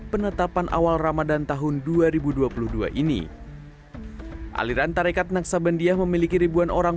penetapan awal ramadhan tahun dua ribu dua puluh dua ini aliran tarekat naksabandia memiliki ribuan orang